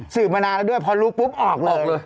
มานานแล้วด้วยพอรู้ปุ๊บออกเลย